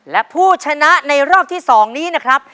และผู้ชนะในรอบที่๒นี้นะครับ